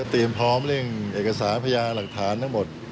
พร้อมเร่งเอกสารพญาหลักฐานทั้งหมด